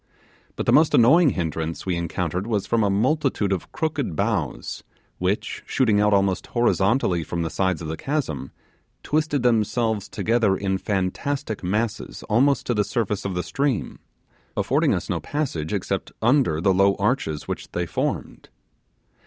But the most annoying hindrance we encountered was from a multitude of crooked boughs, which, shooting out almost horizontally from the sides of the chasm, twisted themselves together in fantastic masses almost to the surface of the stream, affording us no passage except under the low arches which they formed.